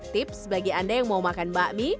tips bagi anda yang mau makan bakmi